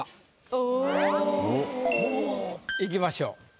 おお。いきましょう。